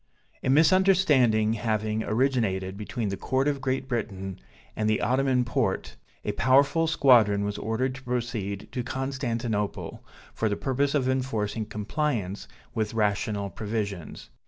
A misunderstanding having originated between the Court of Great Britain, and the Ottoman Porte, a powerful squadron was ordered to proceed to Constantinople, for the purpose of enforcing compliance with rational propositions.